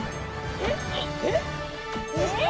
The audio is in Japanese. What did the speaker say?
えっ？えっ？